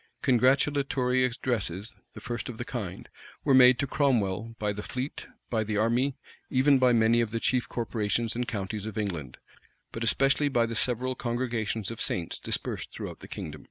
Congratulatory addresses, the first of the kind, were made to Cromwell by the fleet, by the army, even by many of the chief corporations and counties of England; but especially by the several congregations of saints dispersed throughout the kingdom.